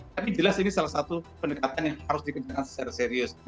tapi jelas ini salah satu pendekatan yang harus dikerjakan secara serius